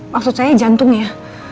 maksud saya jantung ya